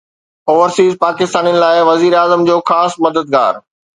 overseas پاڪستانين لاءِ وزيراعظم جو خاص مددگار